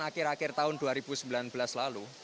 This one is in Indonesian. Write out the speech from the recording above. akhir akhir tahun dua ribu sembilan belas lalu